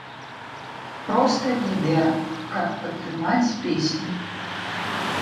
Проста відэа, каб падтрымаць песню.